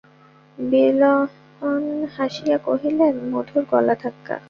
বিল্বন হাসিয়া কহিলেন, মধুর গলাধাক্কা।